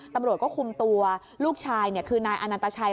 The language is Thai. ตำรวจก็คุมตัวลูกชายคือนายอนันตชัย